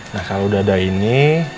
nah kalau udah ada ini